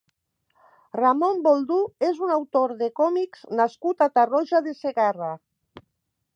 Ramón Boldú és un autor de còmics nascut a Tarroja de Segarra.